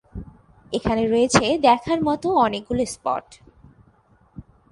এখানে রয়েছে দেখার মতো অনেকগুলো স্পট।